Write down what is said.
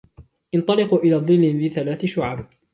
انطلقوا إلى ظل ذي ثلاث شعب